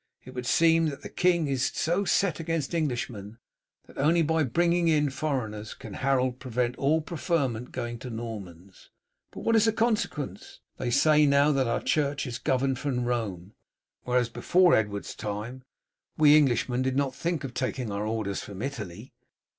It would seem that the king was so set against Englishmen that only by bringing in foreigners can Harold prevent all preferment going to Normans. But what is the consequence? They say now that our church is governed from Rome, whereas before Edward's time we Englishmen did not think of taking our orders from Italy.